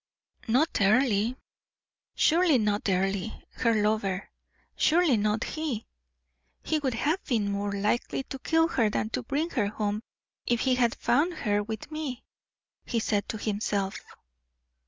Not Earle, surely not Earle, her lover surely not he! "He would have been more likely to kill her than to bring her home if he had found her with me," he said to himself.